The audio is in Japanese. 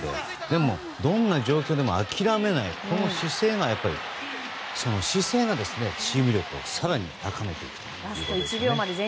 でも、どんな状況でも諦めないこの姿勢がチーム力を更に高めていくということです。